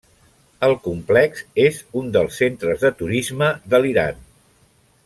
El complex és un dels centres de turisme de l’Iran.